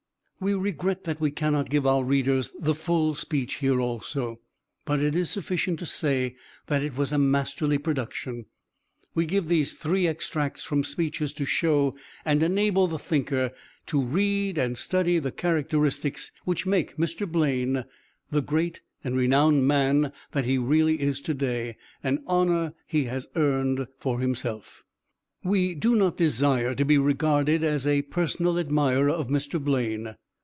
We regret that we cannot give our readers the full speech here also, but it is sufficient to say that it was a masterly production. We give these three extracts from speeches to show, and enable the thinker to read and study the characteristics which make Mr. Blaine the great and renowned man that he really is to day; an honor he has earned for himself. We do not desire to be regarded as a personal admirer of Mr. Blaine.